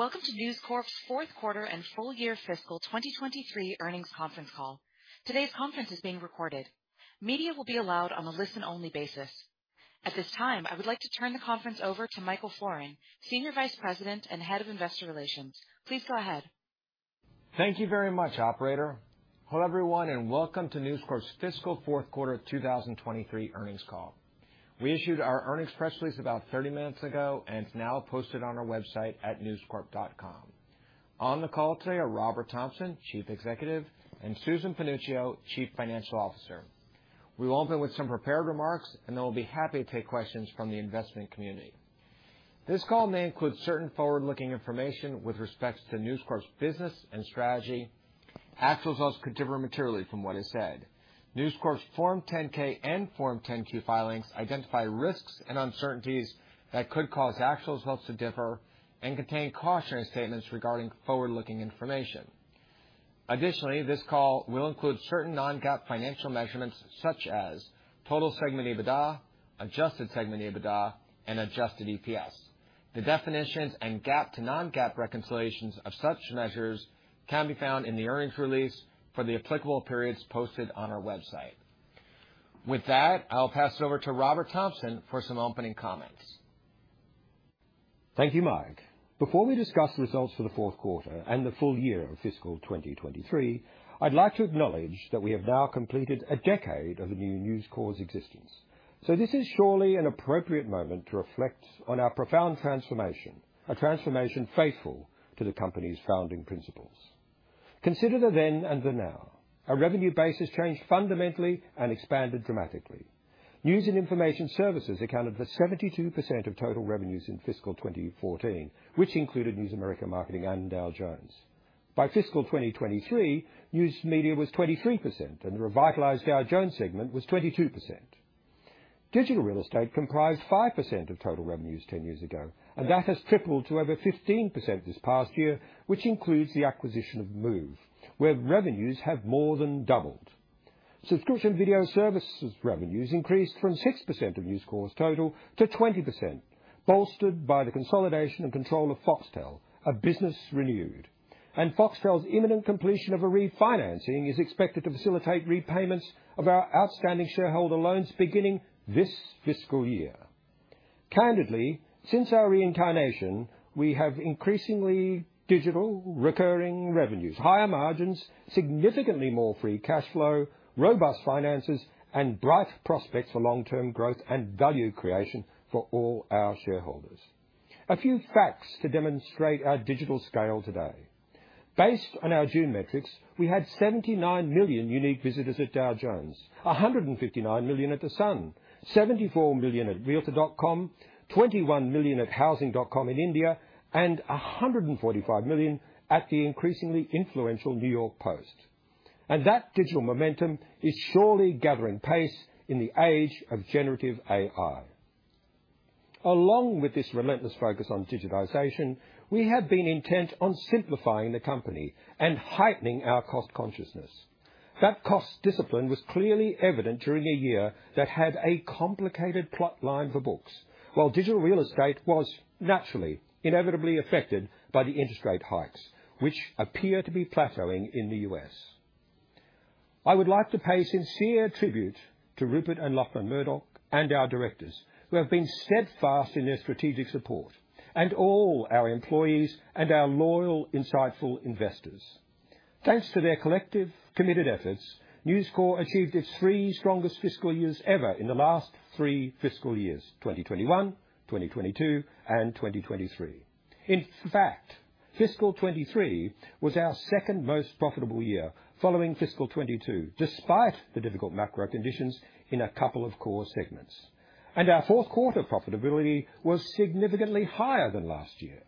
Welcome to News Corp's fourth quarter and full year fiscal 2023 earnings conference call. Today's conference is being recorded. Media will be allowed on a listen-only basis. At this time, I would like to turn the conference over to Michael Florin, Senior Vice President and Head of Investor Relations. Please go ahead. Thank you very much, operator. Hello, everyone, and welcome to News Corp's fiscal fourth quarter 2023 earnings call. We issued our earnings press release about 30 minutes ago, and it's now posted on our website at newscorp.com. On the call today are Robert Thomson, Chief Executive, and Susan Panuccio, Chief Financial Officer. We will open with some prepared remarks, and then we'll be happy to take questions from the investment community. This call may include certain forward-looking information with respects to News Corp's business and strategy. Actual results could differ materially from what is said. News Corp's Form 10-K and Form 10-Q filings identify risks and uncertainties that could cause actual results to differ and contain cautionary statements regarding forward-looking information. Additionally, this call will include certain non-GAAP financial measurements, such as total segment EBITDA, adjusted segment EBITDA, and adjusted EPS. The definitions and GAAP to non-GAAP reconciliations of such measures can be found in the earnings release for the applicable periods posted on our website. With that, I'll pass it over to Robert Thomson for some opening comments. Thank you, Mike. Before we discuss the results for the fourth quarter and the full year of fiscal 2023, I'd like to acknowledge that we have now completed a decade of the new News Corp's existence. This is surely an appropriate moment to reflect on our profound transformation, a transformation faithful to the company's founding principles. Consider the then and the now. Our revenue base has changed fundamentally and expanded dramatically. news and information services accounted for 72% of total revenues in fiscal 2014, which included News America Marketing and Dow Jones. By fiscal 2023, news media was 23%, and the revitalized Dow Jones segment was 22%. digital real estate comprised 5% of total revenues 10 years ago, and that has tripled to over 15% this past year, which includes the acquisition of Move, where revenues have more than doubled. Subscription video services revenues increased from 6% of News Corp's total to 20%, bolstered by the consolidation and control of Foxtel, a business renewed, and Foxtel's imminent completion of a refinancing is expected to facilitate repayments of our outstanding shareholder loans beginning this fiscal year. Candidly, since our reincarnation, we have increasingly digital, recurring revenues, higher margins, significantly more free cash flow, robust finances, and bright prospects for long-term growth and value creation for all our shareholders. A few facts to demonstrate our digital scale today. Based on our June metrics, we had 79 million unique visitors at Dow Jones, 159 million at The Sun, 74 million at Realtor.com, 21 million at Housing.com in India, and 145 million at the increasingly influential New York Post. That digital momentum is surely gathering pace in the age of generative AI. Along with this relentless focus on digitization, we have been intent on simplifying the company and heightening our cost consciousness. That cost discipline was clearly evident during a year that had a complicated plot line for books, while digital real estate was naturally, inevitably affected by the interest rate hikes, which appear to be plateauing in the U.S. I would like to pay sincere tribute to Rupert and Lachlan Murdoch and our directors, who have been steadfast in their strategic support, and all our employees and our loyal, insightful investors. Thanks to their collective committed efforts, News Corp achieved its three strongest fiscal years ever in the last three fiscal years, 2021, 2022, and 2023. In fact, fiscal 2023 was our second most profitable year following fiscal 2022, despite the difficult macro conditions in a couple of core segments, and our fourth quarter profitability was significantly higher than last year.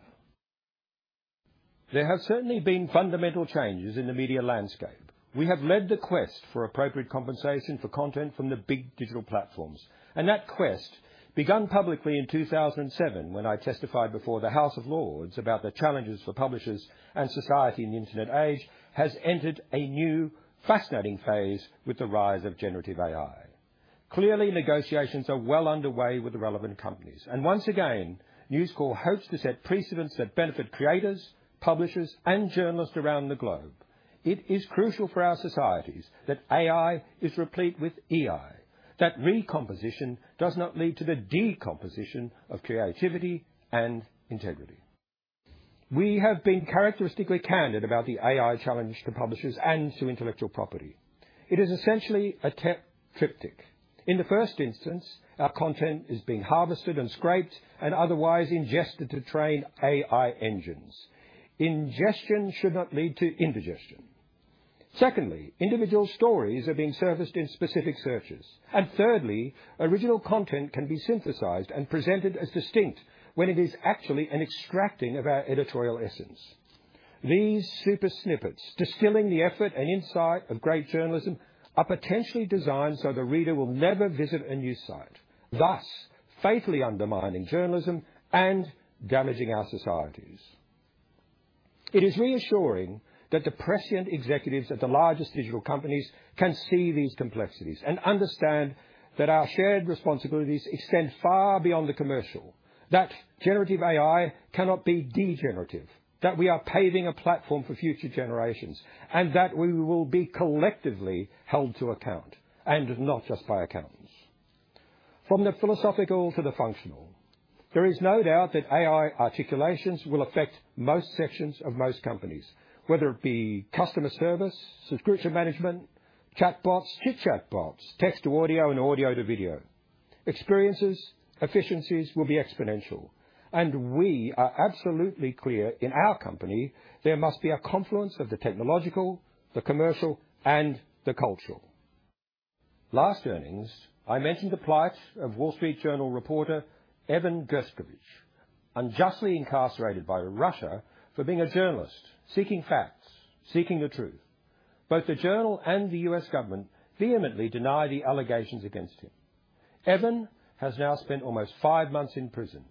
There have certainly been fundamental changes in the media landscape. We have led the quest for appropriate compensation for content from the big digital platforms, and that quest, begun publicly in 2007, when I testified before the House of Lords about the challenges for publishers and society in the Internet Age, has entered a new, fascinating phase with the rise of generative AI. Clearly, negotiations are well underway with the relevant companies, and once again, News Corp hopes to set precedents that benefit creators, publishers, and journalists around the globe. It is crucial for our societies that AI is replete with EI. That recomposition does not lead to the decomposition of creativity and integrity. We have been characteristically candid about the AI challenge to publishers and to intellectual property. It is essentially a tech triptych. In the first instance, our content is being harvested and scraped and otherwise ingested to train AI engines. Ingestion should not lead to indigestion. Secondly, individual stories are being serviced in specific searches. Thirdly, original content can be synthesized and presented as distinct when it is actually an extracting of our editorial essence. These super snippets, distilling the effort and insight of great journalism, are potentially designed so the reader will never visit a news site, thus fatally undermining journalism and damaging our societies. It is reassuring that the prescient executives at the largest digital companies can see these complexities and understand that our shared responsibilities extend far beyond the commercial. That generative AI cannot be degenerative, that we are paving a platform for future generations, and that we will be collectively held to account, and not just by accountants. From the philosophical to the functional, there is no doubt that AI articulations will affect most sections of most companies, whether it be customer service, subscription management, chatbots to chit-chat bots, text to audio, and audio to video. Experiences, efficiencies will be exponential. We are absolutely clear in our company there must be a confluence of the technological, the commercial, and the cultural. Last earnings, I mentioned the plight of Wall Street Journal reporter Evan Gershkovich, unjustly incarcerated by Russia for being a journalist, seeking facts, seeking the truth. Both the Journal and the U.S. government vehemently deny the allegations against him. Evan has now spent almost five months in prison,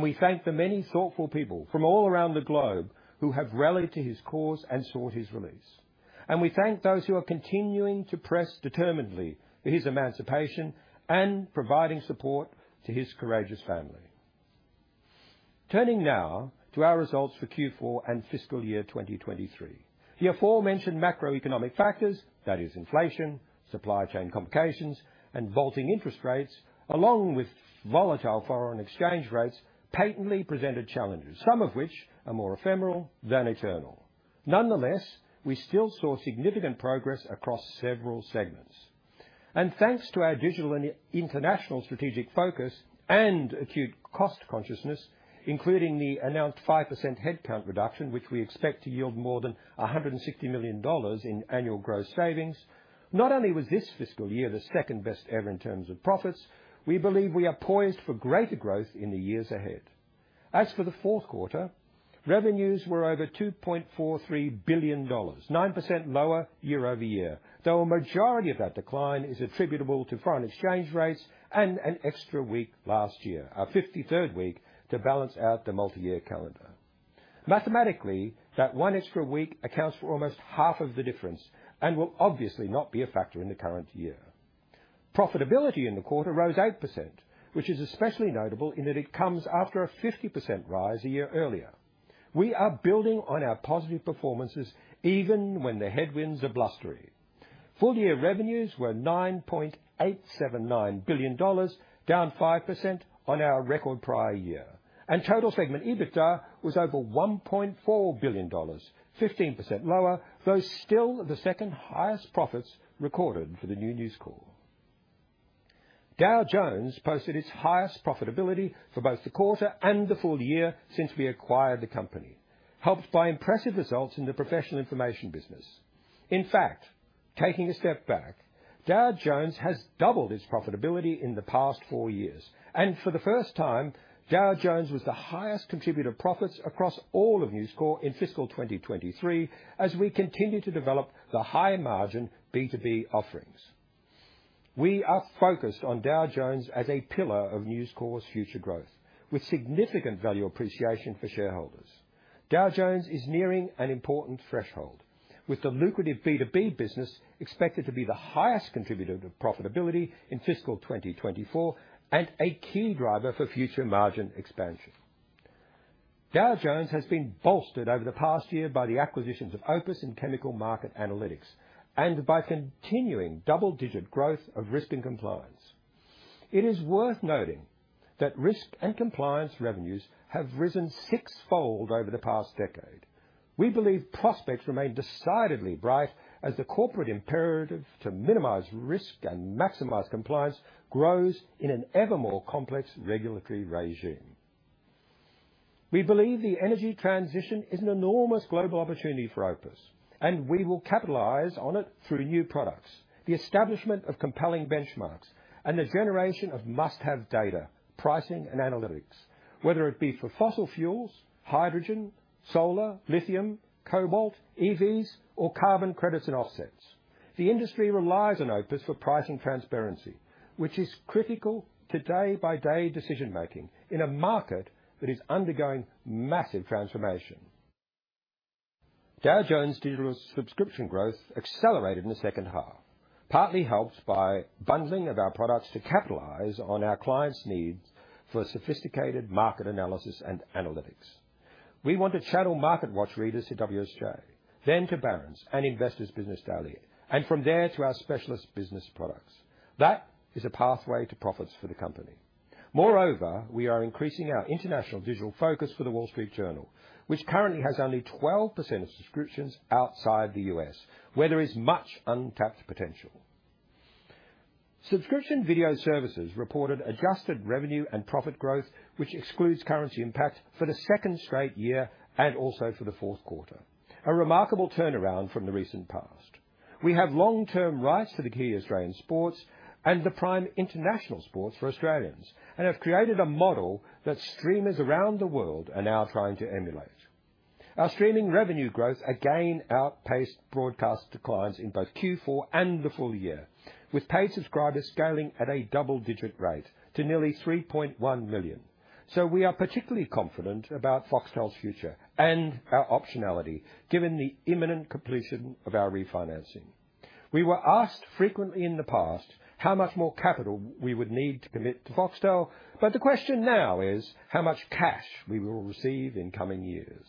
we thank the many thoughtful people from all around the globe who have rallied to his cause and sought his release. We thank those who are continuing to press determinedly for his emancipation and providing support to his courageous family. Turning now to our results for Q4 and fiscal year 2023. The aforementioned macroeconomic factors, that is inflation, supply chain complications, and vaulting interest rates, along with volatile foreign exchange rates, patently presented challenges, some of which are more ephemeral than eternal. Nonetheless, we still saw significant progress across several segments, and thanks to our digital and international strategic focus and acute cost consciousness, including the announced 5% headcount reduction, which we expect to yield more than $160 million in annual gross savings. Not only was this fiscal year the second-best ever in terms of profits, we believe we are poised for greater growth in the years ahead. For the fourth quarter, revenues were over $2.43 billion, 9% lower year-over-year, though a majority of that decline is attributable to foreign exchange rates and an extra week last year, our 53rd week, to balance out the multi-year calendar. Mathematically, that one extra week accounts for almost half of the difference and will obviously not be a factor in the current year. Profitability in the quarter rose 8%, which is especially notable in that it comes after a 50% rise a year earlier. We are building on our positive performances even when the headwinds are blustery. Full-year revenues were $9.879 billion, down 5% on our record prior year. Total segment EBITDA was over $1.4 billion, 15% lower, though still the second-highest profits recorded for the new News Corp. Dow Jones posted its highest profitability for both the quarter and the full year since we acquired the company, helped by impressive results in the professional information business. In fact, taking a step back, Dow Jones has doubled its profitability in the past four years. For the first time, Dow Jones was the highest contributor profits across all of News Corp in fiscal 2023, as we continue to develop the high-margin B2B offerings. We are focused on Dow Jones as a pillar of News Corp's future growth, with significant value appreciation for shareholders. Dow Jones is nearing an important threshold, with the lucrative B2B business expected to be the highest contributor to profitability in fiscal 2024 and a key driver for future margin expansion. Dow Jones has been bolstered over the past year by the acquisitions of OPIS and Chemical Market Analytics and by continuing double-digit growth of Risk and Compliance. It is worth noting that Risk and Compliance revenues have risen 6x over the past decade. We believe prospects remain decidedly bright as the corporate imperative to minimize risk and maximize compliance grows in an ever more complex regulatory regime. We believe the energy transition is an enormous global opportunity for OPIS, and we will capitalize on it through new products, the establishment of compelling benchmarks, and the generation of must-have data, pricing, and analytics, whether it be for fossil fuels, hydrogen, solar, lithium, cobalt, EVs, or carbon credits and offsets. The industry relies on OPIS for price and transparency, which is critical to day-by-day decision making in a market that is undergoing massive transformation. Dow Jones' digital subscription growth accelerated in the second half, partly helped by bundling of our products to capitalize on our clients' needs for sophisticated market analysis and analytics. We want to channel MarketWatch readers to WSJ, then to Barron's and Investor's Business Daily, and from there to our specialist business products. That is a pathway to profits for the company. Moreover, we are increasing our international digital focus for The Wall Street Journal, which currently has only 12% of subscriptions outside the U.S., where there is much untapped potential. Subscription video services reported adjusted revenue and profit growth, which excludes currency impact for the second straight year and also for the fourth quarter, a remarkable turnaround from the recent past. We have long-term rights to the key Australian sports and the prime international sports for Australians, and have created a model that streamers around the world are now trying to emulate. Our streaming revenue growth again outpaced broadcast declines in both Q4 and the full year, with paid subscribers scaling at a double-digit rate to nearly 3.1 million. We are particularly confident about Foxtel's future and our optionality, given the imminent completion of our refinancing. We were asked frequently in the past how much more capital we would need to commit to Foxtel, the question now is how much cash we will receive in coming years.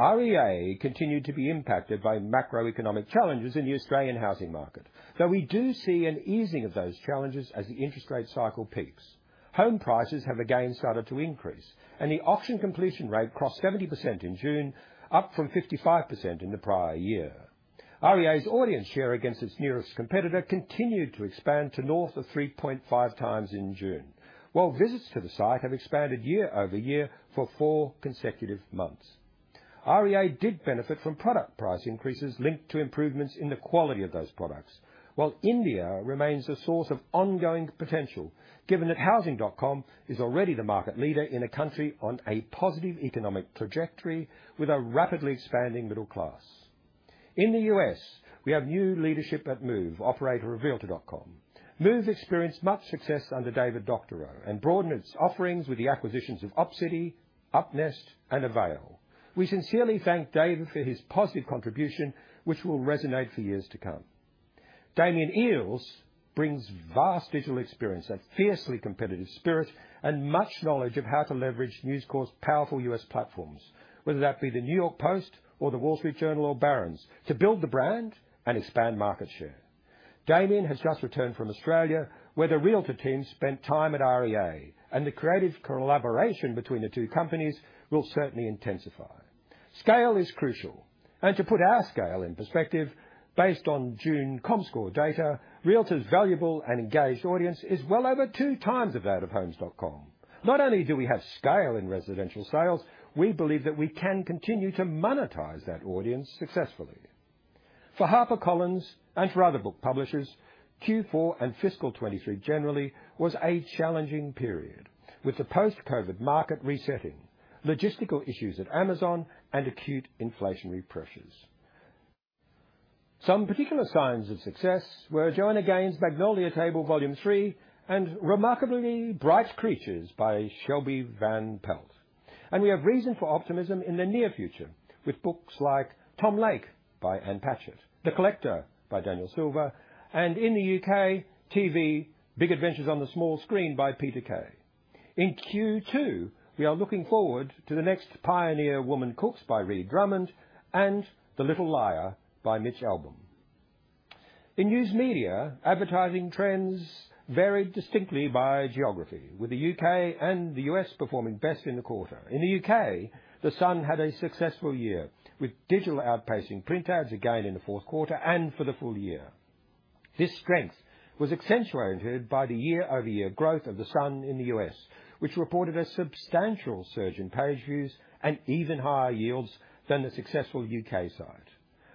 REA continued to be impacted by macroeconomic challenges in the Australian housing market, though we do see an easing of those challenges as the interest rate cycle peaks. Home prices have again started to increase, the auction completion rate crossed 70% in June, up from 55% in the prior year. REA's audience share against its nearest competitor continued to expand to north of 3.5x in June, while visits to the site have expanded year-over-year for four consecutive months. REA did benefit from product price increases linked to improvements in the quality of those products, while India remains a source of ongoing potential, given that Housing.com is already the market leader in a country on a positive economic trajectory with a rapidly expanding middle class. In the U.S., we have new leadership at Move, operator of Realtor.com. Move experienced much success under David Doctorow and broadened its offerings with the acquisitions of Opcity, UpNest, and Avail. We sincerely thank David for his positive contribution, which will resonate for years to come. Damian Eales brings vast digital experience, a fiercely competitive spirit, and much knowledge of how to leverage News Corp's powerful U.S. platforms, whether that be the New York Post or The Wall Street Journal or Barron's, to build the brand and expand market share. Damian has just returned from Australia, where the Realtor team spent time at REA, the creative collaboration between the two companies will certainly intensify. Scale is crucial, and to put our scale in perspective, based on June Comscore data, Realtor's valuable and engaged audience is well over 2x of that of Homes.com. Not only do we have scale in residential sales, we believe that we can continue to monetize that audience successfully. For HarperCollins and for other book publishers, Q4 and fiscal 2023 generally was a challenging period, with the post-COVID market resetting, logistical issues at Amazon, and acute inflationary pressures. Some particular signs of success were Joanna Gaines' Magnolia Table Volume 3. Remarkably Bright Creatures by Shelby Van Pelt. We have reason for optimism in the near future with books like Tom Lake by Ann Patchett, The Collector by Daniel Silva, and in the U.K., TV: Big Adventures on the Small Screen by Peter Kay. In Q2, we are looking forward to the next Pioneer Woman Cooks by Ree Drummond and The Little Liar by Mitch Albom. In news media, advertising trends varied distinctly by geography, with the U.K. and the U.S. performing best in the quarter. In the U.K., The Sun had a successful year, with digital outpacing print ads again in the fourth quarter and for the full year. This strength was accentuated by the year-over-year growth of The Sun in the U.S., which reported a substantial surge in page views and even higher yields than the successful U.K. site.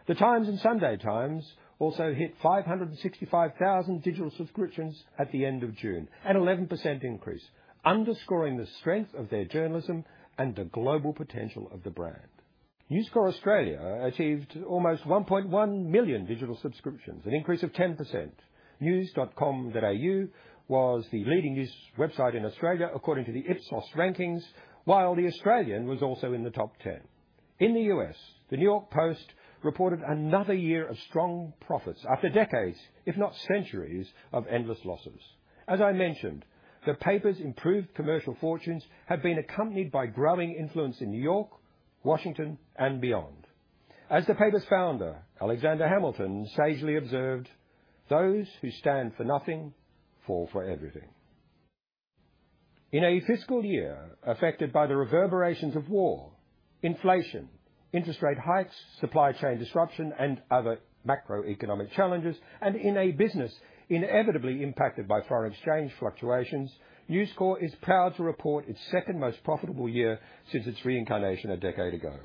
The Times and Sunday Times also hit 565,000 digital subscriptions at the end of June, an 11% increase, underscoring the strength of their journalism and the global potential of the brand. News Corp Australia achieved almost 1.1 million digital subscriptions, an increase of 10%. News.com.au was the leading news website in Australia, according to the Ipsos rankings, while The Australian was also in the top 10. In the U.S., the New York Post reported another year of strong profits after decades, if not centuries, of endless losses. As I mentioned, the paper's improved commercial fortunes have been accompanied by growing influence in New York, Washington, and beyond. As the paper's founder, Alexander Hamilton, sagely observed, "Those who stand for nothing, fall for everything." In a fiscal year affected by the reverberations of war, inflation, interest rate hikes, supply chain disruption, and other macroeconomic challenges, and in a business inevitably impacted by foreign exchange fluctuations, News Corp is proud to report its second most profitable year since its reincarnation a decade ago.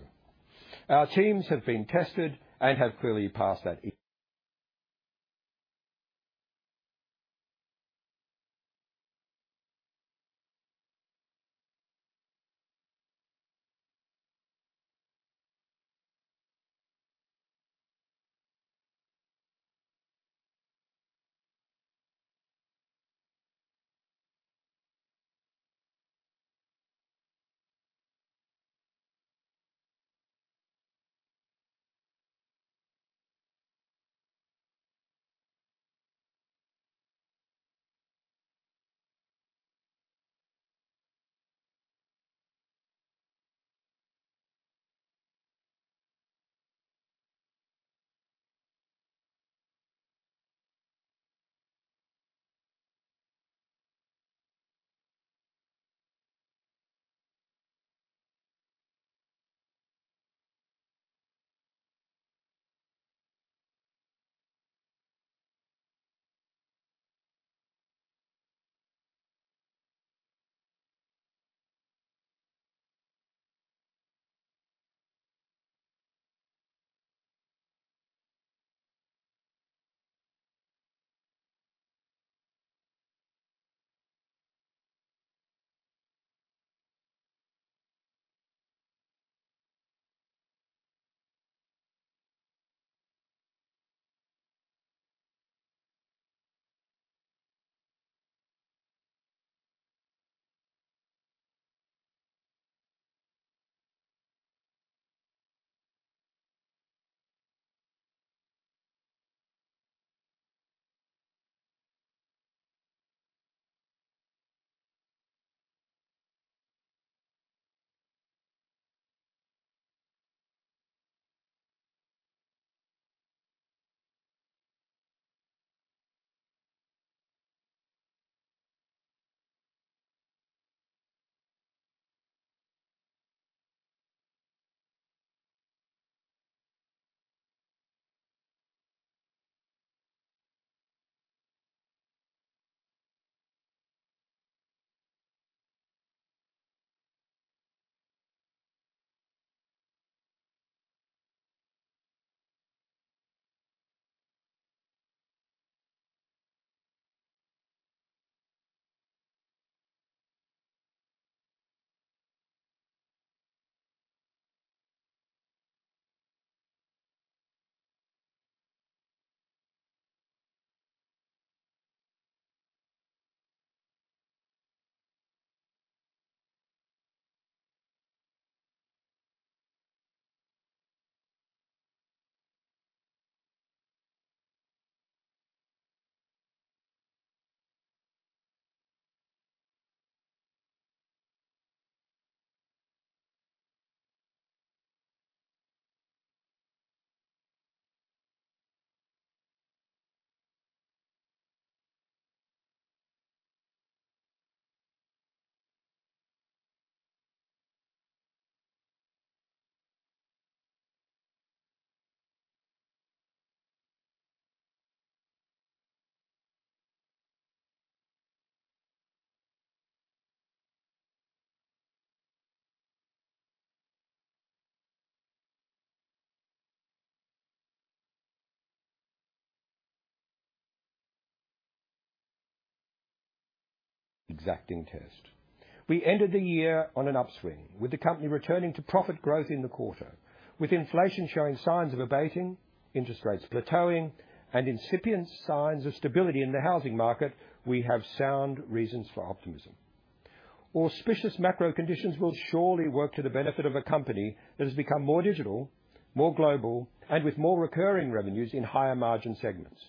Our teams have been tested and have clearly passed that exacting test. We ended the year on an upswing, with the company returning to profit growth in the quarter. With inflation showing signs of abating, interest rates plateauing, and incipient signs of stability in the housing market, we have sound reasons for optimism. Auspicious macro conditions will surely work to the benefit of a company that has become more digital, more global, and with more recurring revenues in higher margin segments.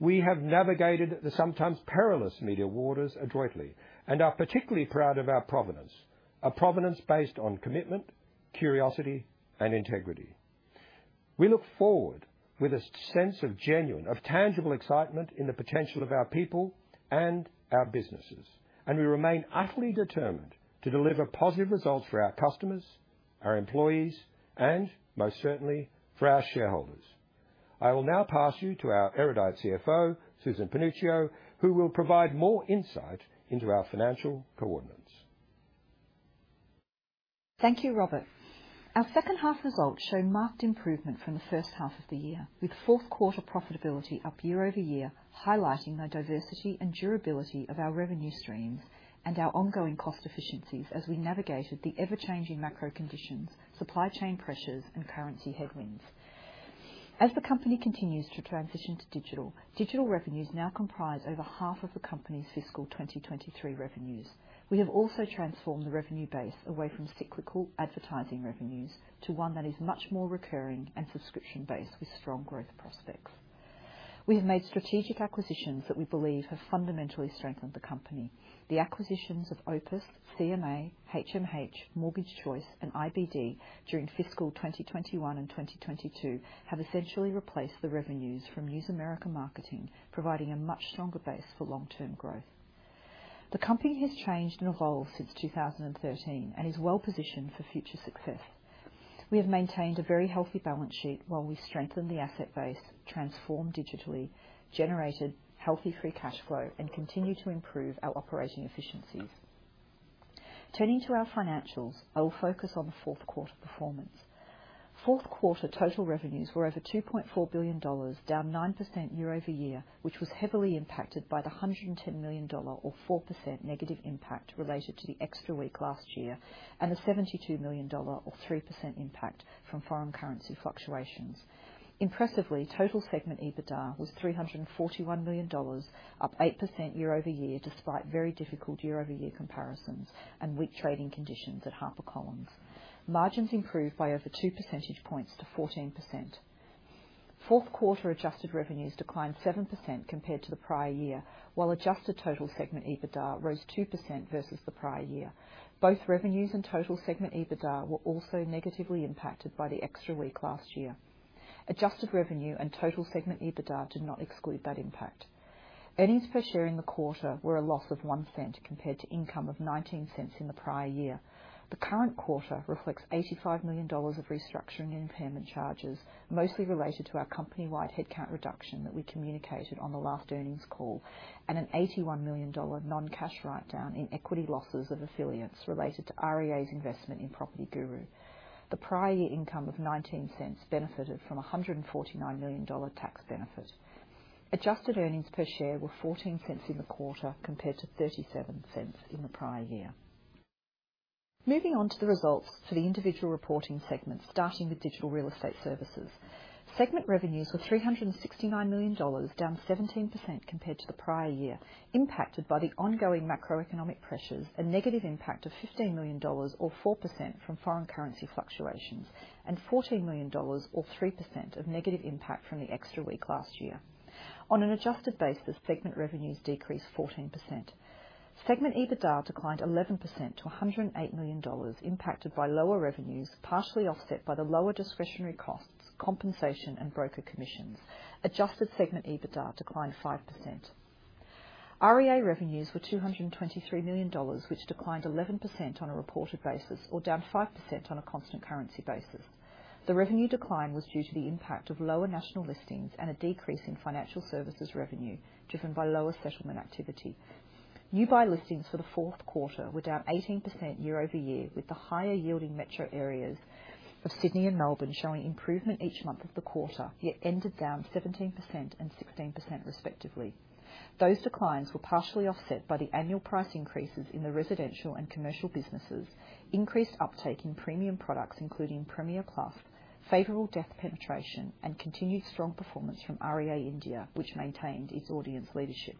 We have navigated the sometimes perilous media waters adroitly, and are particularly proud of our provenance. A provenance based on commitment, curiosity, and integrity. We look forward with a sense of genuine, of tangible excitement in the potential of our people and our businesses, and we remain utterly determined to deliver positive results for our customers, our employees, and most certainly for our shareholders. I will now pass you to our erudite CFO, Susan Panuccio, who will provide more insight into our financial coordinates. Thank you, Robert. Our second half results show marked improvement from the first half of the year, with fourth quarter profitability up year-over-year, highlighting the diversity and durability of our revenue streams and our ongoing cost efficiencies as we navigated the ever-changing macro conditions, supply chain pressures, and currency headwinds. As the company continues to transition to digital, digital revenues now comprise over half of the company's fiscal 2023 revenues. We have also transformed the revenue base away from cyclical advertising revenues to one that is much more recurring and subscription-based, with strong growth prospects. We have made strategic acquisitions that we believe have fundamentally strengthened the company. The acquisitions of OPIS, CMA, HMH, Mortgage Choice, and IBD during fiscal 2021 and 2022, have essentially replaced the revenues from News America Marketing, providing a much stronger base for long-term growth. The company has changed and evolved since 2013 and is well positioned for future success. We have maintained a very healthy balance sheet while we strengthen the asset base, transform digitally, generated healthy free cash flow, and continue to improve our operating efficiencies. Turning to our financials, I will focus on the fourth quarter performance. Fourth quarter total revenues were over $2.4 billion, down 9% year-over-year, which was heavily impacted by the $110 million or 4% negative impact related to the extra week last year, and a $72 million or 3% impact from foreign currency fluctuations. Impressively, total segment EBITDA was $341 million, up 8% year-over-year, despite very difficult year-over-year comparisons and weak trading conditions at HarperCollins. Margins improved by over 2 percentage points to 14%. Fourth quarter adjusted revenues declined 7% compared to the prior year, while adjusted total segment EBITDA rose 2% versus the prior year. Both revenues and total segment EBITDA were also negatively impacted by the extra week last year. Adjusted revenue and total segment EBITDA did not exclude that impact. Earnings per share in the quarter were a loss of $0.01 compared to income of $0.19 in the prior year. The current quarter reflects $85 million of restructuring impairment charges, mostly related to our company-wide headcount reduction that we communicated on the last earnings call, and an $81 million non-cash write-down in equity losses of affiliates related to REA's investment in PropertyGuru. The prior year income of $0.19 benefited from a $149 million tax benefit. Adjusted earnings per share were $0.14 in the quarter, compared to $0.37 in the prior year. Moving on to the results for the individual reporting segments, starting with Digital Real Estate Services. Segment revenues were $369 million, down 17% compared to the prior year, impacted by the ongoing macroeconomic pressures and negative impact of $15 million or 4% from foreign currency fluctuations, and $14 million or 3% of negative impact from the extra week last year. On an adjusted basis, segment revenues decreased 14%. Segment EBITDA declined 11% to $108 million, impacted by lower revenues, partially offset by the lower discretionary costs, compensation, and broker commissions. Adjusted segment EBITDA declined 5%. REA revenues were $223 million, which declined 11% on a reported basis or down 5% on a constant currency basis. The revenue decline was due to the impact of lower national listings and a decrease in financial services revenue, driven by lower settlement activity. New buy listings for the fourth quarter were down 18% year-over-year, with the higher yielding metro areas of Sydney and Melbourne showing improvement each month of the quarter, yet ended down 17% and 16% respectively. Those declines were partially offset by the annual price increases in the residential and commercial businesses, increased uptake in premium products, including Premier Plus, favorable depth penetration, and continued strong performance from REA India, which maintained its audience leadership.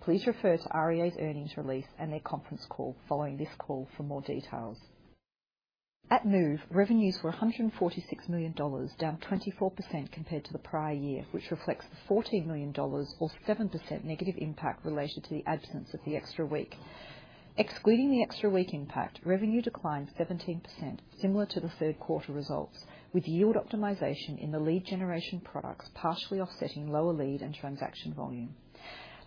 Please refer to REA's earnings release and their conference call following this call for more details. At Move, revenues were $146 million, down 24% compared to the prior year, which reflects the $14 million or 7% negative impact related to the absence of the extra week. Excluding the extra week impact, revenue declined 17%, similar to the third quarter results, with yield optimization in the lead generation products partially offsetting lower lead and transaction volume.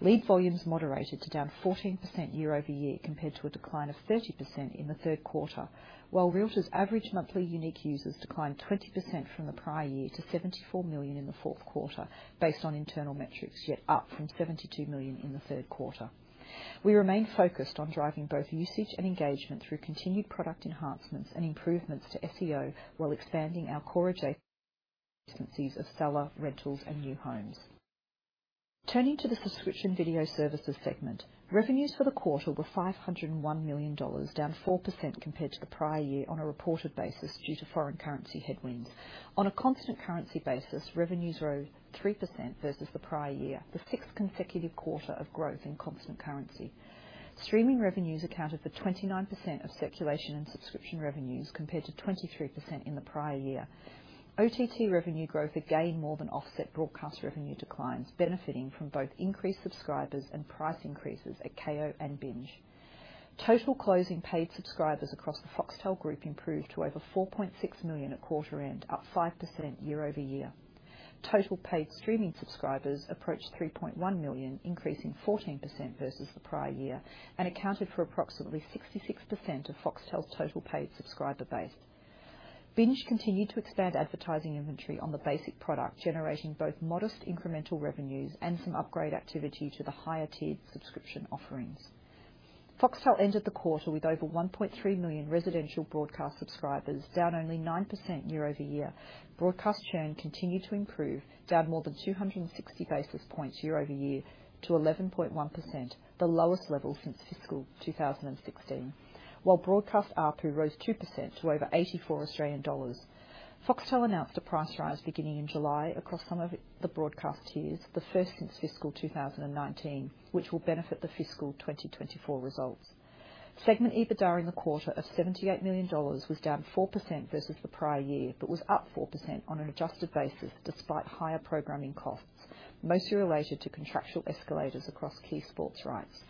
Lead volumes moderated to down 14% year-over-year, compared to a decline of 30% in the third quarter. While Realtors' average monthly unique users declined 20% from the prior year to 74 million in the fourth quarter, based on internal metrics, yet up from 72 million in the third quarter. We remain focused on driving both usage and engagement through continued product enhancements and improvements to SEO, while expanding our core agencies of seller, rentals, and new homes. Turning to the Subscription Video Services segment, revenues for the quarter were $501 million, down 4% compared to the prior year on a reported basis, due to foreign currency headwinds. On a constant currency basis, revenues grew 3% versus the prior year, the sixth consecutive quarter of growth in constant currency. Streaming revenues accounted for 29% of circulation and subscription revenues, compared to 23% in the prior year. OTT revenue growth again more than offset broadcast revenue declines, benefiting from both increased subscribers and price increases at Kayo and BINGE. Total closing paid subscribers across the Foxtel Group improved to over 4.6 million at quarter end, up 5% year-over-year. Total paid streaming subscribers approached 3.1 million, increasing 14% versus the prior year, and accounted for approximately 66% of Foxtel's total paid subscriber base. BINGE continued to expand advertising inventory on the basic product, generating both modest incremental revenues and some upgrade activity to the higher-tiered subscription offerings. Foxtel ended the quarter with over 1.3 million residential broadcast subscribers, down only 9% year-over-year. Broadcast churn continued to improve, down more than 260 basis points year-over-year to 11.1%, the lowest level since fiscal 2016. While broadcast ARPU rose 2% to over 84 Australian dollars. Foxtel announced a price rise beginning in July across some of the broadcast tiers, the first since fiscal 2019, which will benefit the fiscal 2024 results. Segment EBITDA in the quarter of $78 million was down 4% versus the prior year, but was up 4% on an adjusted basis, despite higher programming costs, mostly related to contractual escalators across key sports rights.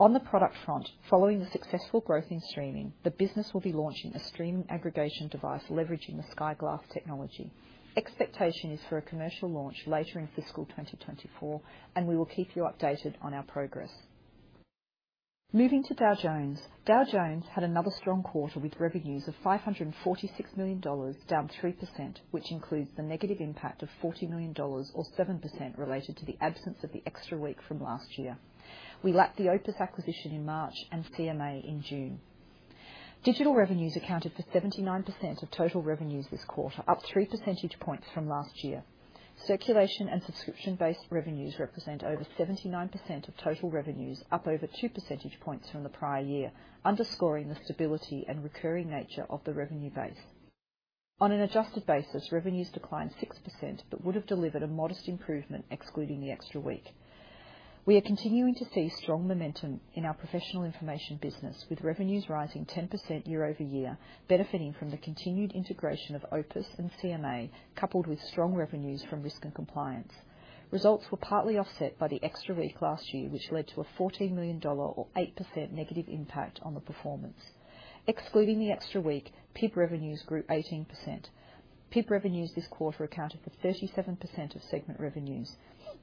On the product front, following the successful growth in streaming, the business will be launching a streaming aggregation device, leveraging the Sky Glass technology. Expectation is for a commercial launch later in fiscal 2024, and we will keep you updated on our progress. Moving to Dow Jones. Dow Jones had another strong quarter with revenues of $546 million, down 3%, which includes the negative impact of $40 million or 7% related to the absence of the extra week from last year. We lacked the OPIS acquisition in March and CMA in June. Digital revenues accounted for 79% of total revenues this quarter, up 3 percentage points from last year. Circulation and subscription-based revenues represent over 79% of total revenues, up over 2 percentage points from the prior year, underscoring the stability and recurring nature of the revenue base. On an adjusted basis, revenues declined 6%, but would have delivered a modest improvement excluding the extra week. We are continuing to see strong momentum in our Professional Information Business, with revenues rising 10% year over year, benefiting from the continued integration of OPIS and CMA, coupled with strong revenues from Risk and Compliance. Results were partly offset by the extra week last year, which led to a $14 million or 8% negative impact on the performance. Excluding the extra week, PIB revenues grew 18%. PIB revenues this quarter accounted for 37% of segment revenues.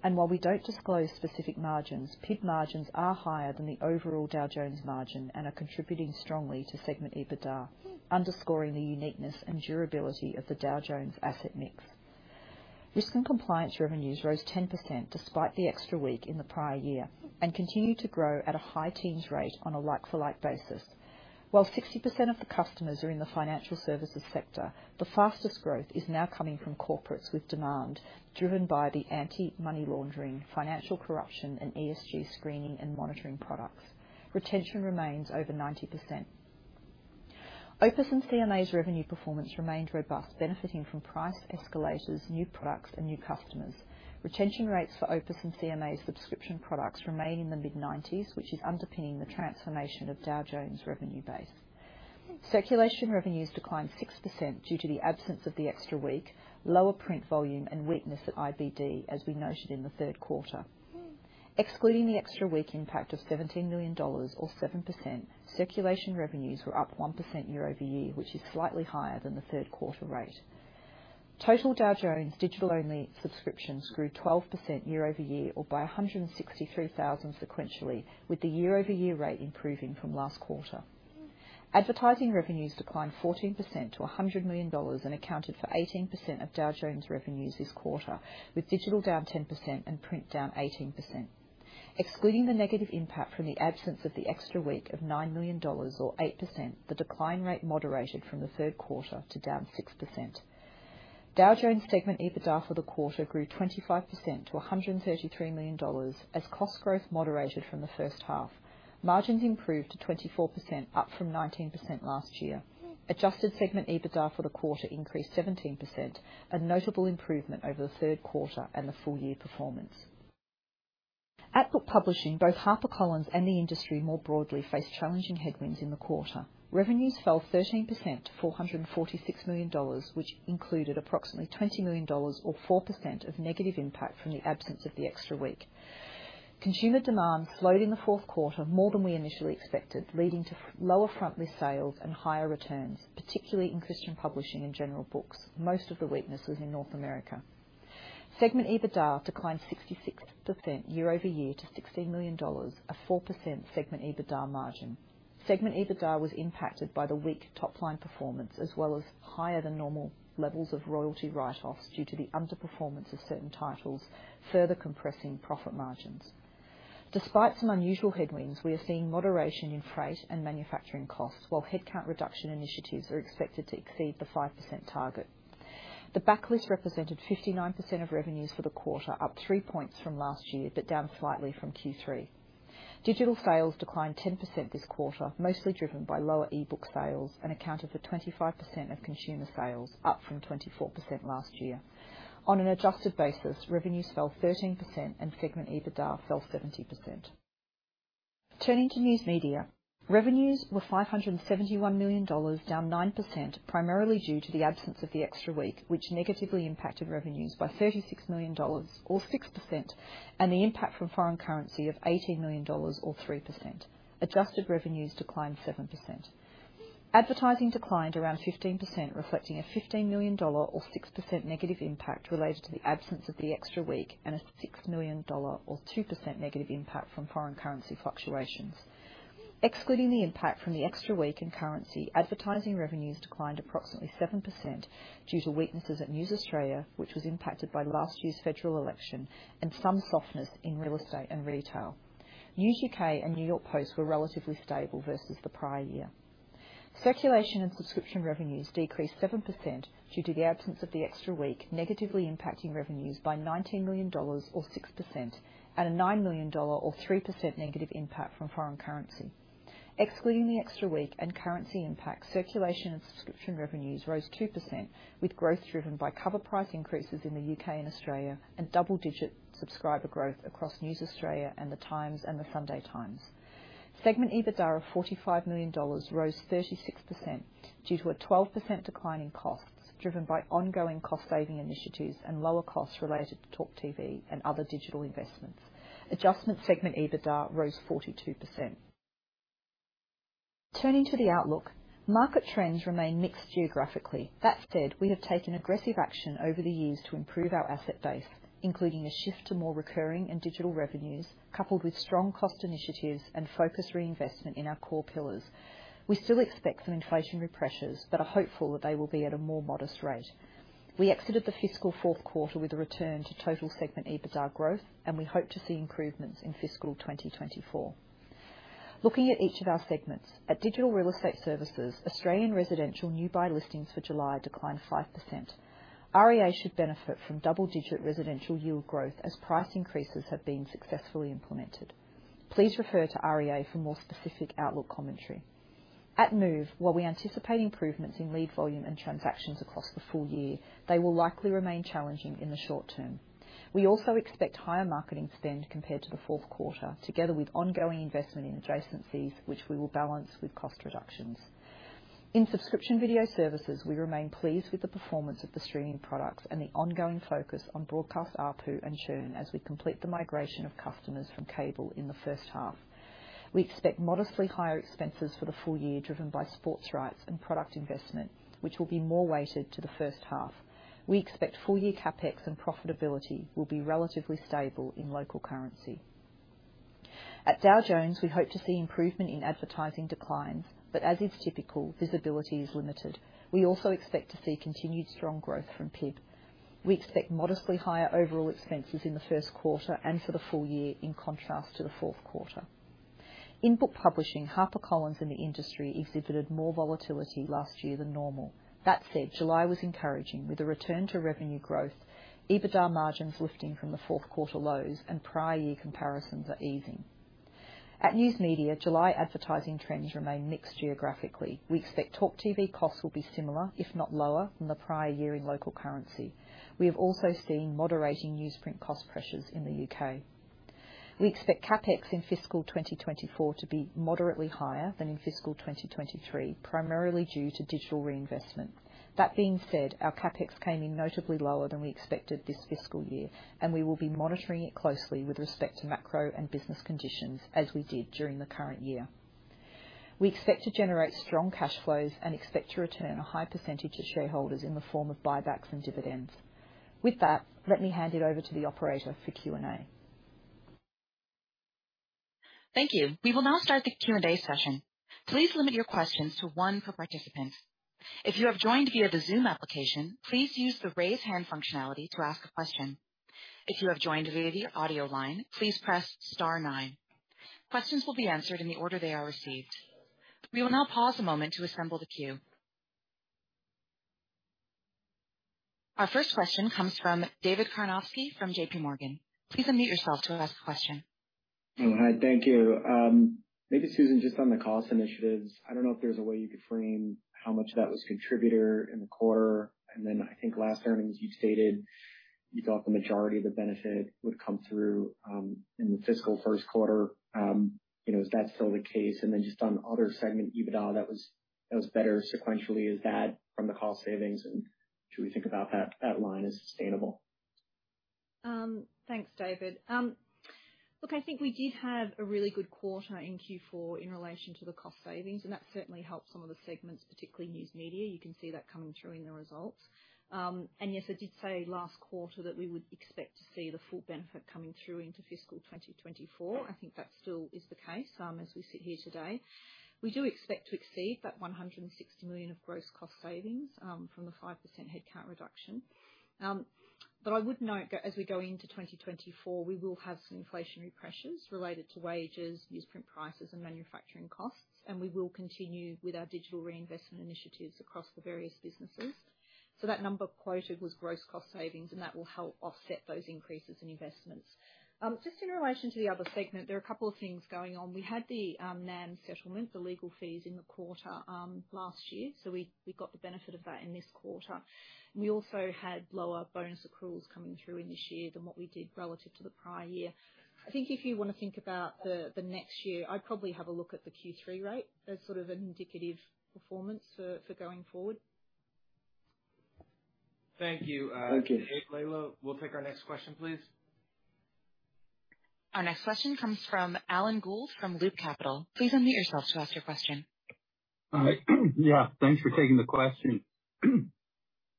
While we don't disclose specific margins, PIB margins are higher than the overall Dow Jones margin and are contributing strongly to segment EBITDA, underscoring the uniqueness and durability of the Dow Jones asset mix. Risk and Compliance revenues rose 10% despite the extra week in the prior year and continue to grow at a high teens rate on a like-for-like basis. While 60% of the customers are in the financial services sector, the fastest growth is now coming from corporates, with demand driven by the Anti-Money Laundering, financial corruption, and ESG screening and monitoring products. Retention remains over 90%. OPIS and CMA's revenue performance remained robust, benefiting from price escalators, new products, and new customers. Retention rates for OPIS and CMA's subscription products remain in the mid-90s, which is underpinning the transformation of Dow Jones' revenue base. Circulation revenues declined 6% due to the absence of the extra week, lower print volume, and weakness at IBD, as we noted in the third quarter. Excluding the extra week impact of $17 million or 7%, circulation revenues were up 1% year-over-year, which is slightly higher than the third quarter rate. Total Dow Jones digital-only subscriptions grew 12% year-over-year or by 163,000 sequentially, with the year-over-year rate improving from last quarter. Advertising revenues declined 14% to $100 million and accounted for 18% of Dow Jones revenues this quarter, with digital down 10% and print down 18%. Excluding the negative impact from the absence of the extra week of $9 million or 8%, the decline rate moderated from the third quarter to down 6%. Dow Jones segment EBITDA for the quarter grew 25% to $133 million as cost growth moderated from the first half. Margins improved to 24%, up from 19% last year. Adjusted segment EBITDA for the quarter increased 17%, a notable improvement over the third quarter and the full year performance. At Book Publishing, both HarperCollins and the industry more broadly faced challenging headwinds in the quarter. Revenues fell 13% to $446 million, which included approximately $20 million or 4% of negative impact from the absence of the extra week. Consumer demand slowed in the fourth quarter more than we initially expected, leading to lower frontlist sales and higher returns, particularly in Christian publishing and general books. Most of the weakness was in North America. Segment EBITDA declined 66% year-over-year to $16 million, a 4% segment EBITDA margin. Segment EBITDA was impacted by the weak top-line performance, as well as higher than normal levels of royalty write-offs, due to the underperformance of certain titles, further compressing profit margins. Despite some unusual headwinds, we are seeing moderation in freight and manufacturing costs, while headcount reduction initiatives are expected to exceed the 5% target. The backlist represented 59% of revenues for the quarter, up 3 points from last year, but down slightly from Q3. Digital sales declined 10% this quarter, mostly driven by lower eBook sales, and accounted for 25% of consumer sales, up from 24% last year. On an adjusted basis, revenues fell 13% and segment EBITDA fell 70%. Turning to News Media, revenues were $571 million, down 9%, primarily due to the absence of the extra week, which negatively impacted revenues by $36 million or 6%, and the impact from foreign currency of $18 million or 3%. Adjusted revenues declined 7%. Advertising declined around 15%, reflecting a $15 million or 6% negative impact related to the absence of the extra week and a $6 million or 2% negative impact from foreign currency fluctuations. Excluding the impact from the extra week and currency, advertising revenues declined approximately 7% due to weaknesses at News Australia, which was impacted by last year's federal election and some softness in real estate and retail. News UK and New York Post were relatively stable versus the prior year. Circulation and subscription revenues decreased 7% due to the absence of the extra week, negatively impacting revenues by $19 million or 6%, and a $9 million or 3% negative impact from foreign currency. Excluding the extra week and currency impact, circulation and subscription revenues rose 2%, with growth driven by cover price increases in the U.K. and Australia and double-digit subscriber growth across News Australia and The Times and The Sunday Times. Segment EBITDA of $45 million rose 36% due to a 12% decline in costs, driven by ongoing cost-saving initiatives and lower costs related to TalkTV and other digital investments. Adjusted segment EBITDA rose 42%. Turning to the outlook, market trends remain mixed geographically. That said, we have taken aggressive action over the years to improve our asset base, including a shift to more recurring and digital revenues, coupled with strong cost initiatives and focused reinvestment in our core pillars. We still expect some inflationary pressures, but are hopeful that they will be at a more modest rate. We exited the fiscal fourth quarter with a return to total segment EBITDA growth, and we hope to see improvements in fiscal 2024. Looking at each of our segments, at Digital Real Estate Services, Australian residential new buy listings for July declined 5%. REA should benefit from double-digit residential yield growth as price increases have been successfully implemented. Please refer to REA for more specific outlook commentary. At Move, while we anticipate improvements in lead volume and transactions across the full year, they will likely remain challenging in the short term. We also expect higher marketing spend compared to the fourth quarter, together with ongoing investment in adjacencies, which we will balance with cost reductions. In Subscription Video Services, we remain pleased with the performance of the streaming products and the ongoing focus on broadcast ARPU and churn as we complete the migration of customers from cable in the first half. We expect modestly higher expenses for the full year, driven by sports rights and product investment, which will be more weighted to the first half. We expect full-year CapEx and profitability will be relatively stable in local currency. At Dow Jones, we hope to see improvement in advertising declines, but as is typical, visibility is limited. We also expect to see continued strong growth from PIB. We expect modestly higher overall expenses in the first quarter and for the full year, in contrast to the fourth quarter. In Book Publishing, HarperCollins in the industry exhibited more volatility last year than normal. That said, July was encouraging, with a return to revenue growth, EBITDA margins lifting from the fourth quarter lows, and prior year comparisons are easing. At News Media, July advertising trends remain mixed geographically. We expect TalkTV costs will be similar, if not lower, than the prior year in local currency. We have also seen moderating newsprint cost pressures in the U.K. We expect CapEx in fiscal 2024 to be moderately higher than in fiscal 2023, primarily due to digital reinvestment. That being said, our CapEx came in notably lower than we expected this fiscal year, and we will be monitoring it closely with respect to macro and business conditions, as we did during the current year. We expect to generate strong cash flows and expect to return a high percentage to shareholders in the form of buybacks and dividends. With that, let me hand it over to the operator for Q&A. Thank you. We will now start the Q&A session. Please limit your questions to one per participant. If you have joined via the Zoom application, please use the Raise Hand functionality to ask a question. If you have joined via the audio line, please press star nine. Questions will be answered in the order they are received. We will now pause a moment to assemble the queue. Our first question comes from David Karnovsky from JPMorgan. Please unmute yourself to ask a question. Hi. Thank you. Maybe, Susan, just on the cost initiatives, I don't know if there's a way you could frame how much of that was contributor in the quarter. I think last earnings, you stated you thought the majority of the benefit would come through in the fiscal first quarter. You know, is that still the case? Just on other segment EBITDA, that was better sequentially, is that from the cost savings, and should we think about that line as sustainable? Thanks, David. Look, I think we did have a really good quarter in Q4 in relation to the cost savings, and that certainly helped some of the segments, particularly News Media. You can see that coming through in the results. Yes, I did say last quarter that we would expect to see the full benefit coming through into fiscal 2024. I think that still is the case, as we sit here today. We do expect to exceed that $160 million of gross cost savings from the 5% headcount reduction. I would note, as we go into 2024, we will have some inflationary pressures related to wages, newsprint prices, and manufacturing costs, and we will continue with our digital reinvestment initiatives across the various businesses. That number quoted was gross cost savings, and that will help offset those increases in investments. Just in relation to the other segment, there are a couple of things going on. We had the NAM settlement, the legal fees in the quarter last year, so we got the benefit of that in this quarter. We also had lower bonus accruals coming through in this year than what we did relative to the prior year. I think if you want to think about the next year, I'd probably have a look at the Q3 rate as sort of an indicative performance for going forward. Thank you. Thank you. Layla, we'll take our next question, please. Our next question comes from Alan Gould from Loop Capital. Please unmute yourself to ask your question. Yeah, thanks for taking the question.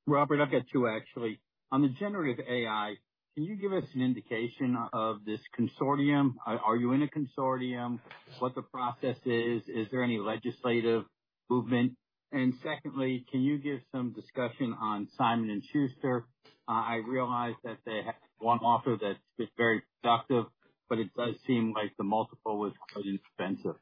Robert, I've got two, actually. On the Generative AI, can you give us an indication of this consortium? Are you in a consortium? What the process is? Is there any legislative movement? Secondly, can you give some discussion on Simon & Schuster? I realize that they had one offer that was very productive, but it does seem like the multiple was quite expensive.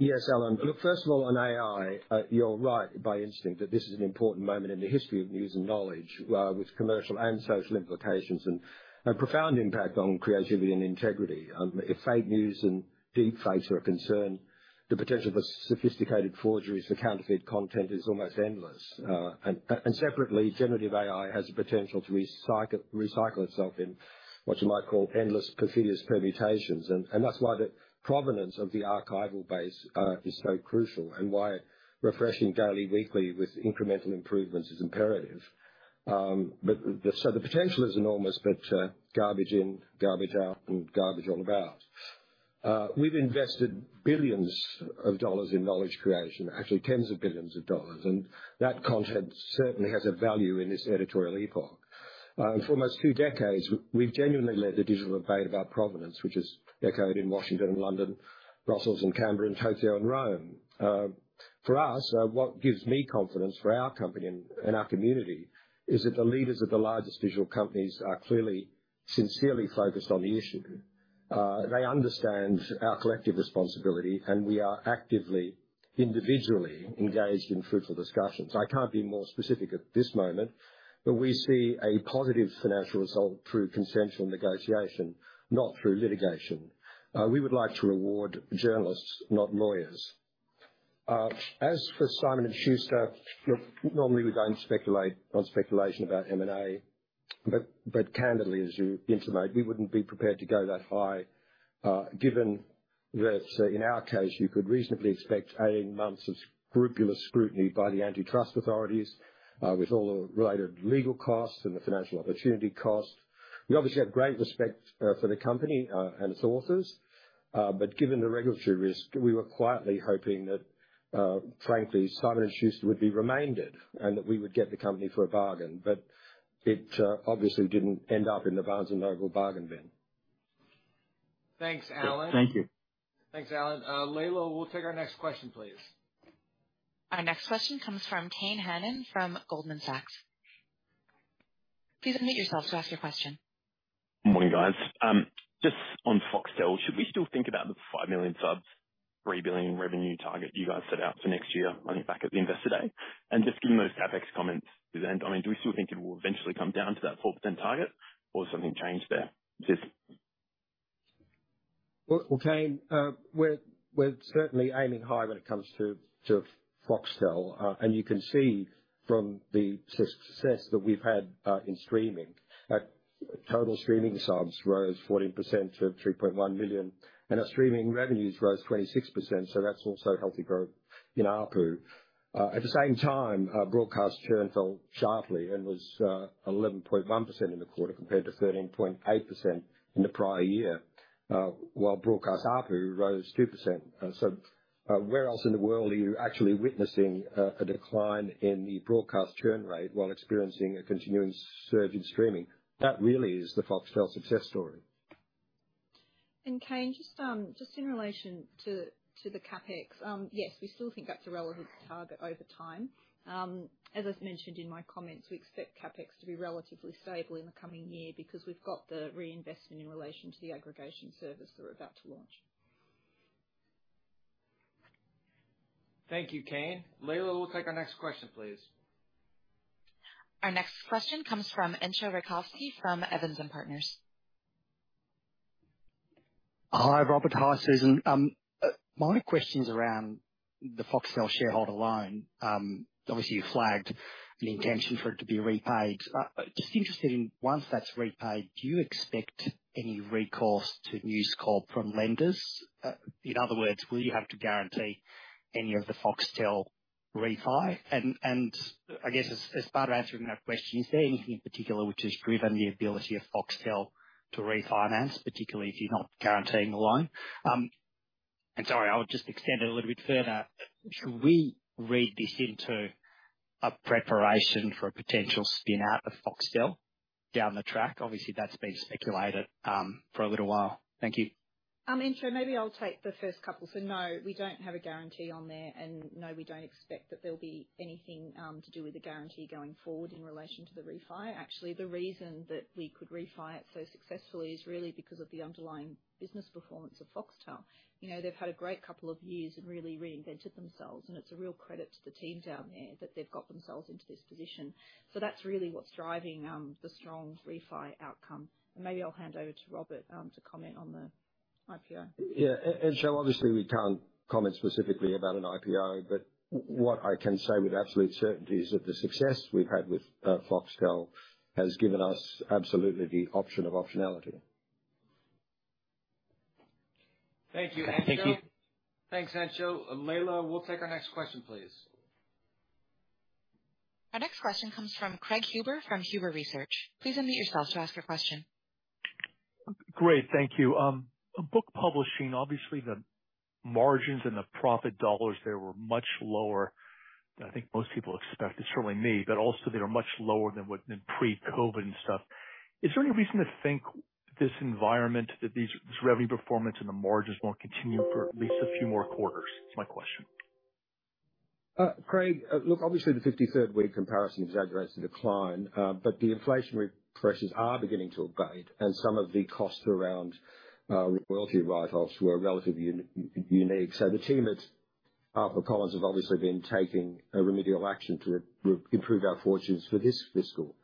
Yes, Alan. Look, first of all, on AI, you're right by instinct that this is an important moment in the history of news and knowledge, with commercial and social implications and a profound impact on creativity and integrity. If fake news and deepfakes are a concern, the potential for sophisticated forgeries for counterfeit content is almost endless. Separately, generative AI has the potential to recycle, recycle itself in what you might call endless perfidious permutations. That's why the provenance of the archival base is so crucial, and why refreshing daily, weekly with incremental improvements is imperative. The potential is enormous, but garbage in, garbage out, and garbage all about. We've invested billions of dollars in knowledge creation, actually tens of billions of dollars, and that content certainly has a value in this editorial epoch. For almost three decades, we've genuinely led the digital debate about provenance, which is echoed in Washington and London, Brussels and Canberra, and Tokyo and Rome. For us, what gives me confidence for our company and, and our community is that the leaders of the largest digital companies are clearly, sincerely focused on the issue. They understand our collective responsibility, we are actively, individually engaged in fruitful discussions. I can't be more specific at this moment, we see a positive financial result through consensual negotiation, not through litigation. We would like to reward journalists, not lawyers. As for Simon & Schuster, look, normally we don't speculate on speculation about M&A, but candidly, as you intimate, we wouldn't be prepared to go that high, given that, in our case, you could reasonably expect 18 months of scrupulous scrutiny by the antitrust authorities, with all the related legal costs and the financial opportunity costs. We obviously have great respect for the company and its authors, given the regulatory risk, we were quietly hoping that, frankly, Simon & Schuster would be remaindered and that we would get the company for a bargain. It obviously didn't end up in the Barnes & Noble bargain bin. Thanks, Alan. Thank you. Thanks, Alan. Layla, we'll take our next question, please. Our next question comes from Kane Hannan, from Goldman Sachs. Please unmute yourself to ask your question. Good morning, guys. Just on Foxtel, should we still think about the 5 million subs?... $3 billion revenue target you guys set out for next year on the back of the Investor Day. Just given those CapEx comments, and, I mean, do we still think it will eventually come down to that 4% target or has something changed there? Just- Well, well, Kane, we're, we're certainly aiming high when it comes to, to Foxtel. You can see from the success that we've had in streaming, that total streaming subs rose 14% to 3.1 million, and our streaming revenues rose 26%, so that's also healthy growth in ARPU. At the same time, broadcast churn fell sharply and was 11.1% in the quarter, compared to 13.8% in the prior year. While broadcast ARPU rose 2%. Where else in the world are you actually witnessing a decline in the broadcast churn rate while experiencing a continuing surge in streaming? That really is the Foxtel success story. Kane, just, just in relation to, to the CapEx, yes, we still think that's a relevant target over time. As I've mentioned in my comments, we expect CapEx to be relatively stable in the coming year because we've got the reinvestment in relation to the aggregation service that we're about to launch. Thank you, Kane. Layla, we'll take our next question, please. Our next question comes from Entcho Raykovski, from Evans and Partners. Hi, Robert. Hi, Susan. My only question is around the Foxtel shareholder loan. Obviously, you flagged an intention for it to be repaid. Just interested in, once that's repaid, do you expect any recourse to News Corp from lenders? In other words, will you have to guarantee any of the Foxtel refi? I guess as, as part of answering that question, is there anything in particular which has driven the ability of Foxtel to refinance, particularly if you're not guaranteeing the loan? Sorry, I'll just extend it a little bit further. Should we read this into a preparation for a potential spin out of Foxtel down the track? Obviously, that's been speculated for a little while. Thank you. Entcho, maybe I'll take the first couple. No, we don't have a guarantee on there, and no, we don't expect that there'll be anything to do with the guarantee going forward in relation to the refi. Actually, the reason that we could refi it so successfully is really because of the underlying business performance of Foxtel. You know, they've had a great couple of years and really reinvented themselves, and it's a real credit to the teams out there that they've got themselves into this position. That's really what's driving the strong refi outcome. Maybe I'll hand over to Robert to comment on the IPO. Yeah, Entcho Raykovski, obviously, we can't comment specifically about an IPO, what I can say with absolute certainty is that the success we've had with Foxtel has given us absolutely the option of optionality. Thank you, Entcho. Thank you. Thanks, Entcho. Layla, we'll take our next question, please. Our next question comes from Craig Huber, from Huber Research. Please unmute yourself to ask your question. Great. Thank you. Book publishing, obviously, the margins and the profit dollars there were much lower than I think most people expected, certainly me, but also they are much lower than pre-COVID and stuff. Is there any reason to think this environment, that this revenue performance and the margins won't continue for at least a few more quarters? That's my question. Craig, look, obviously the 53rd week comparison exaggerates the decline, but the inflationary pressures are beginning to abate, and some of the costs around royalty buyoffs were relatively unique. The team at HarperCollins have obviously been taking a remedial action to, to improve our fortunes for this fiscal.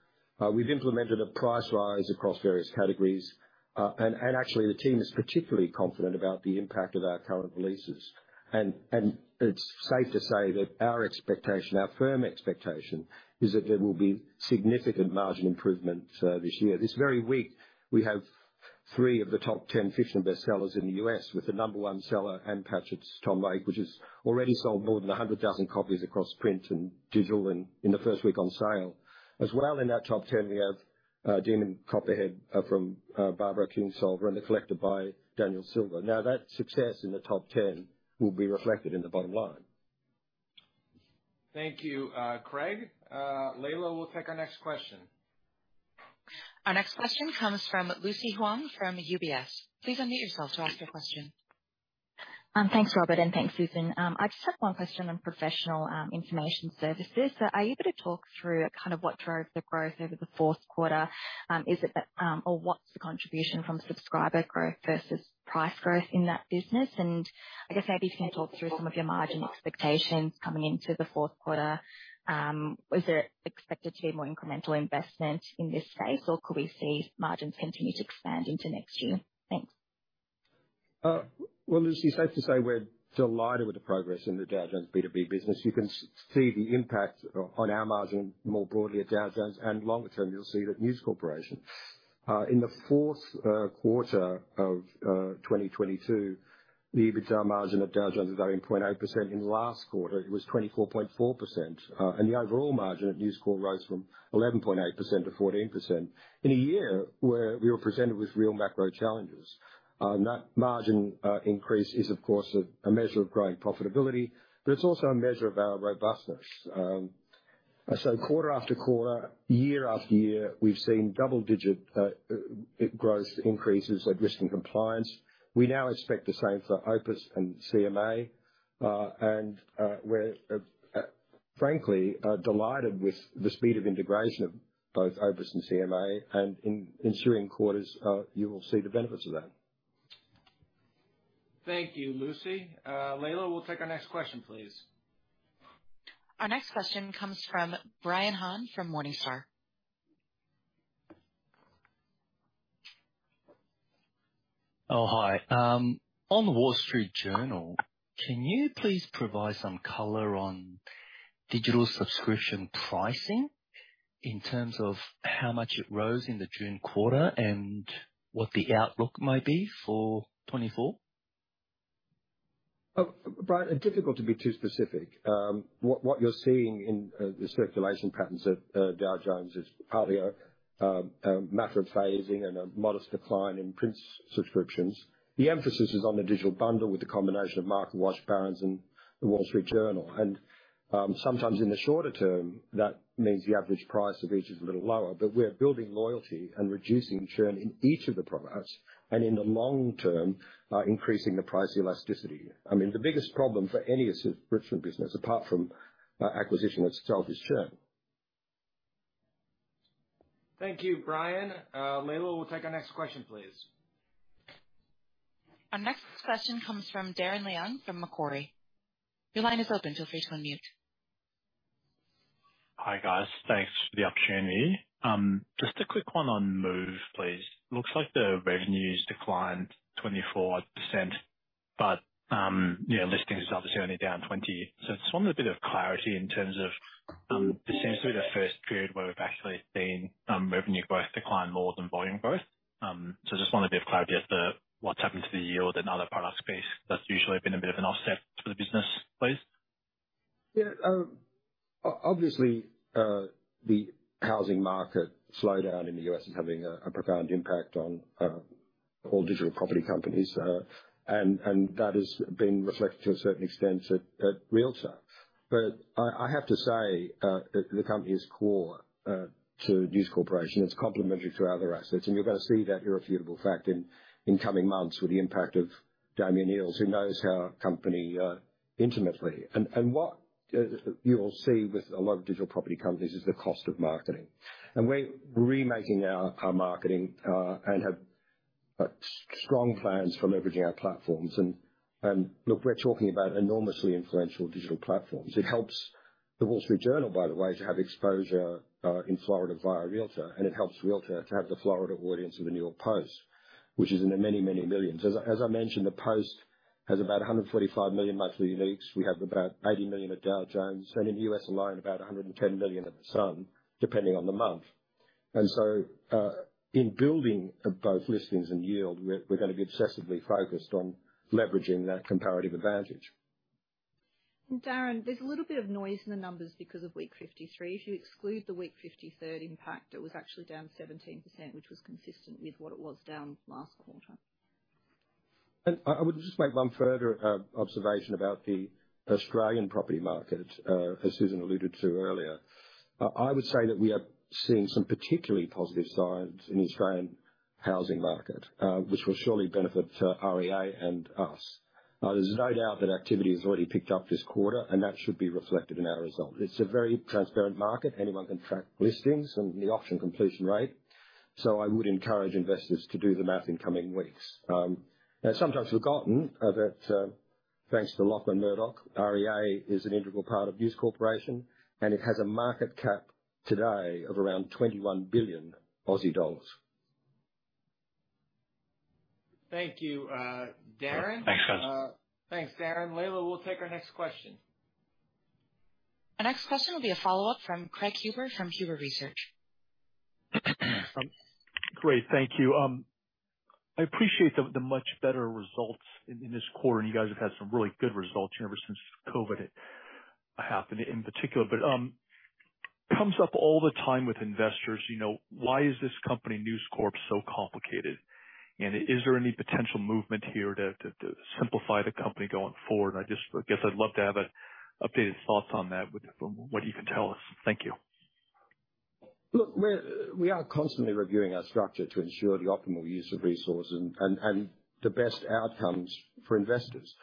We've implemented a price rise across various categories, and actually, the team is particularly confident about the impact of our current releases. It's safe to say that our expectation, our firm expectation, is that there will be significant margin improvement this year. This very week, we have three of the top 10 fiction bestsellers in the U.S., with the number one seller, Ann Patchett's Tom Lake, which has already sold more than 100,000 copies across print and digital in, in the first week on sale. In that top 10, we have Demon Copperhead from Barbara Kingsolver and The Collector by Daniel Silva. Now, that success in the top 10 will be reflected in the bottom line. Thank you, Craig. Layla, we'll take our next question. Our next question comes from Lucy Huang, from UBS. Please unmute yourself to ask your question. Thanks, Robert, and thanks, Susan. I just have one question on professional information services. Are you able to talk through kind of what drove the growth over the fourth quarter? What's the contribution from subscriber growth versus price growth in that business? I guess maybe you can talk through some of your margin expectations coming into the fourth quarter. Is there expected to be more incremental investment in this space, or could we see margins continue to expand into next year? Thanks. Well, Lucy, safe to say we're delighted with the progress in the Dow Jones B2B business. You can see the impact on our margin more broadly at Dow Jones, and longer term, you'll see it at News Corporation. In the fourth quarter of 2022, the EBITDA margin at Dow Jones is 19.8%. In the last quarter, it was 24.4%. The overall margin at News Corp rose from 11.8% to 14% in a year where we were presented with real macro challenges. That margin increase is, of course, a measure of growing profitability, but it's also a measure of our robustness. Quarter after quarter, year after year, we've seen double digit growth increases at Risk and Compliance. We now expect the same for OPIS and CMA. We're, frankly, delighted with the speed of integration of both OPIS and CMA, and in ensuing quarters, you will see the benefits of that. Thank you, Lucy. Layla, we'll take our next question, please. Our next question comes from Brian Han from Morningstar. Oh, hi. On The Wall Street Journal, can you please provide some color on digital subscription pricing in terms of how much it rose in the June quarter and what the outlook might be for 2024? Oh, Brian, difficult to be too specific. What, what you're seeing in the circulation patterns at Dow Jones is partly a matter of phasing and a modest decline in print subscriptions. The emphasis is on the digital bundle with the combination of MarketWatch, Barron's, and The Wall Street Journal. Sometimes in the shorter term, that means the average price of each is a little lower, but we're building loyalty and reducing churn in each of the products, and in the long term, increasing the price elasticity. I mean, the biggest problem for any subscription business, apart from acquisition itself, is churn. Thank you, Brian. Layla, we'll take our next question, please. Our next question comes from Darren Leung from Macquarie. Your line is open. Feel free to unmute. Hi, guys. Thanks for the opportunity. Just a quick one on Move, please. Looks like the revenues declined 24%, but, you know, listings are obviously only down 20%. Just want a bit of clarity in terms of, essentially the first period where we've actually seen, revenue growth decline more than volume growth. Just want a bit of clarity as to what's happened to the yield and other product space. That's usually been a bit of an offset for the business, please. Yeah, obviously, the housing market slowdown in the U.S. is having a profound impact on all digital property companies. That has been reflected to a certain extent at Realtor.com. I have to say that the company is core to News Corp. It's complementary to our other assets. You're gonna see that irrefutable fact in coming months with the impact of Damian Eales, who knows our company intimately. What you will see with a lot of digital property companies is the cost of marketing. We're remaking our marketing and have strong plans for leveraging our platforms. Look, we're talking about enormously influential digital platforms. It helps The Wall Street Journal, by the way, to have exposure in Florida via Realtor, and it helps Realtor to have the Florida audience of the New York Post, which is in the many, many millions. As I, as I mentioned, the Post has about 145 million monthly uniques. We have about 80 million at Dow Jones, in the U.S. alone, about 110 million at The Sun, depending on the month. In building both listings and yield, we're, we're gonna be obsessively focused on leveraging that comparative advantage. Darren, there's a little bit of noise in the numbers because of week 53. If you exclude the week 53rd impact, it was actually down 17%, which was consistent with what it was down last quarter. I, I would just make one further observation about the Australian property market, as Susan alluded to earlier. I, I would say that we are seeing some particularly positive signs in the Australian housing market, which will surely benefit REA and us. There's no doubt that activity has already picked up this quarter, and that should be reflected in our results. It's a very transparent market. Anyone can track listings and the auction completion rate, so I would encourage investors to do the math in coming weeks. Sometimes forgotten, that, thanks to Lachlan Murdoch, REA is an integral part of News Corporation, and it has a market cap today of around 21 billion Aussie dollars. Thank you, Darren. Thanks, guys. Thanks, Darren. Layla, we'll take our next question. Our next question will be a follow-up from Craig Huber from Huber Research. Great. Thank you. I appreciate the, the much better results in, in this quarter, and you guys have had some really good results here ever since COVID happened in particular. Comes up all the time with investors, you know, why is this company, News Corp, so complicated? Is there any potential movement here to, to, to simplify the company going forward? I guess I'd love to have an updated thoughts on that, with, from what you can tell us. Thank you. Look, we are constantly reviewing our structure to ensure the optimal use of resources and the best outcomes for investors.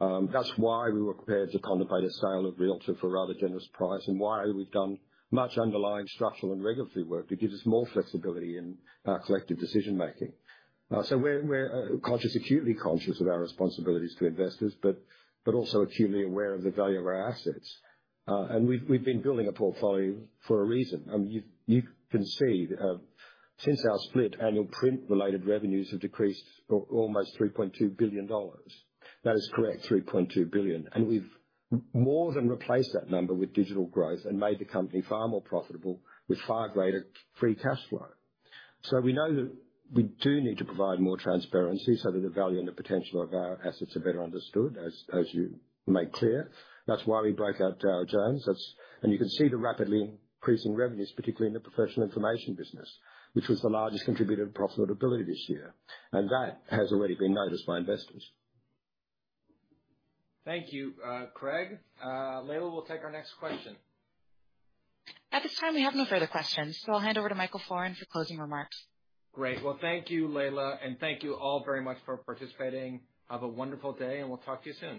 That's why we were prepared to contemplate a sale of Realtor for a rather generous price, and why we've done much underlying structural and regulatory work to give us more flexibility in our collective decision making. We're acutely conscious of our responsibilities to investors, but also acutely aware of the value of our assets. We've been building a portfolio for a reason. I mean, you can see, since our split, annual print-related revenues have decreased almost $3.2 billion. That is correct, $3.2 billion. We've more than replaced that number with digital growth and made the company far more profitable with far greater free cash flow. We know that we do need to provide more transparency so that the value and the potential of our assets are better understood, as, as you made clear. That's why we broke out Dow Jones. You can see the rapidly increasing revenues, particularly in the professional information business, which was the largest contributor to profitability this year, and that has already been noticed by investors. Thank you, Craig. Layla, we'll take our next question. At this time, we have no further questions, so I'll hand over to Michael Florin for closing remarks. Great. Well, thank you, Layla, and thank you all very much for participating. Have a wonderful day, and we'll talk to you soon.